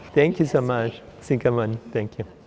và như tôi đã nói trước